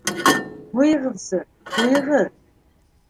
— Ҡуйығыҙсы, ҡуйығыҙ.